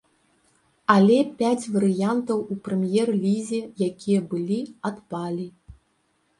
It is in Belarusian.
Але пяць варыянтаў у прэм'ер-лізе, якія былі, адпалі.